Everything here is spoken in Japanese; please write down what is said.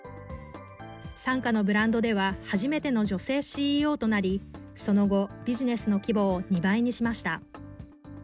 傘下のブランドでは、初めての女性ＣＥＯとなり、その後、ビジネスの規模を２倍にしました。